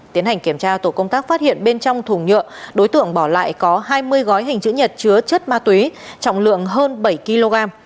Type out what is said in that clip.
tiến hành kiểm tra tổ công tác phát hiện bên trong thùng nhựa đối tượng bỏ lại có hai mươi gói hình chữ nhật chứa chất ma túy trọng lượng hơn bảy kg